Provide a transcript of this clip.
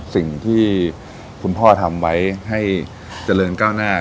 สิ่งที่คุณพ่อทำไว้ให้เจริญก้าวหน้า